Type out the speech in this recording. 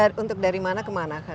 itu untuk dari mana kemana